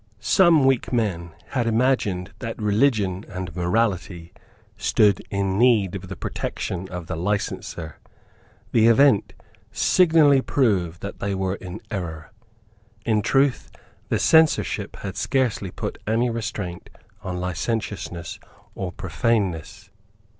Some weak men had imagined that religion and morality stood in need of the protection of the licenser. The event signally proved that they were in error. In truth the censorship had scarcely put any restraint on licentiousness or profaneness.